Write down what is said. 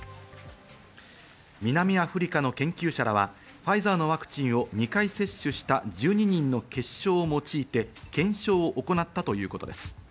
南アフリカの研究者らは、ファイザーのワクチンを２回接種した１２人の血しょうを用いて、検証を行ったということです。